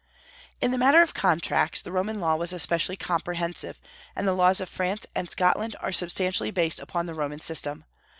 In the matter of contracts the Roman law was especially comprehensive, and the laws of France and Scotland are substantially based upon the Roman system.